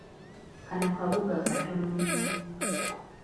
Kano kabuga katono nnyo.